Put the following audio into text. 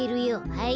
はい。